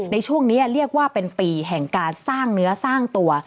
ในช่วงนี้เรียกว่าเป็นปีแห่งการสร้างเนื้อสร้างตัว